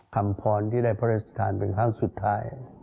คำพรที่ได้พระราชทานเป็นครั้งสุดท้าย